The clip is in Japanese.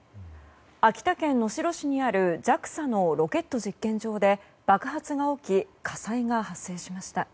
秋田県能代市にあるＪＡＸＡのロケット実験場で爆発が起き火災が発生しました。